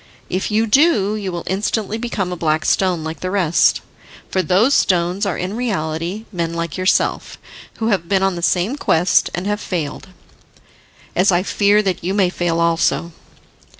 If you do, you will instantly become a black stone like the rest. For those stones are in reality men like yourself, who have been on the same quest, and have failed, as I fear that you may fail also.